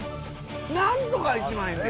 なんとか１万円で！